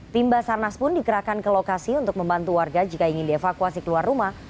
tim basarnas pun dikerahkan ke lokasi untuk membantu warga jika ingin dievakuasi keluar rumah